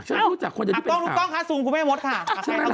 แม่คุณแม่จะจีบรึเปล่าล่ะฉันไม่รู้จักว่าถึงเป็นอะไร